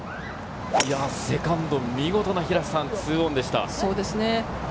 セカンド、見事な２オンでした。